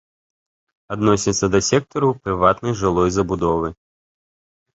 Адносіцца да сектару прыватнай жылой забудовы.